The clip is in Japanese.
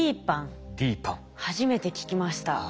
初めて聞きました。